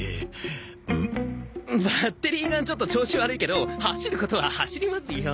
バッテリーがちょっと調子悪いけど走ることは走りますよ。